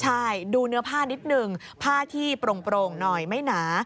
ใช่ดูเนื้อผ้านิดนึงผ้าที่โปร่งหน่อยไม่หนา